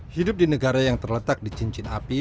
hidup di negara yang terletak di cincin api